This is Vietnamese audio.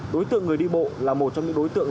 đối tượng người đi bộ là một trong những đối tượng